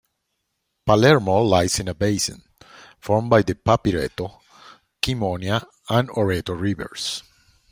Palermo lies in a basin, formed by the Papireto, Kemonia and Oreto rivers.